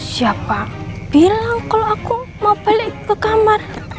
siapa bilang kalau aku mau balik ke kamar